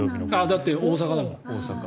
だって、大阪だから。